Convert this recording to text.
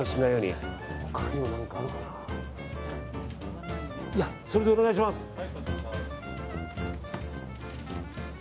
いやそれでお願いします。